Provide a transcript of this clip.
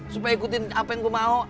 supaya ikutin apa yang gue mau